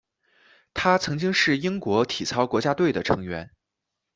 他曾经是英国体操国家队的成员。